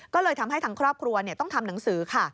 ก็เลยทำให้ทางครอบครัวต้องทำหนังสือค่ะ